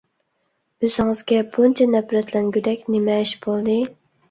ئۆزىڭىزگە بۇنچە نەپرەتلەنگۈدەك نېمە ئىش بولدى؟